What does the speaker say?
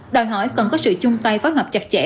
đòi hỏi cần có sự chung tay phối hợp chặt chẽ